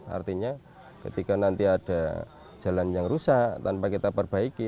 artinya ketika nanti ada jalan yang rusak tanpa kita perbaiki